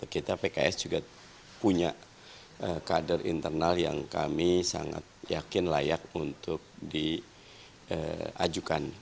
kita pks juga punya kader internal yang kami sangat yakin layak untuk diajukan